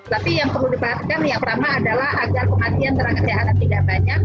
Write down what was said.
tapi yang perlu diperhatikan yang pertama adalah agar pengatihan terang kejayaan tidak banyak